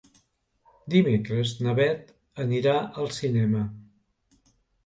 Dimecres na Beth anirà al cinema.